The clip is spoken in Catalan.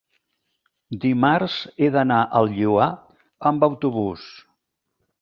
dimarts he d'anar al Lloar amb autobús.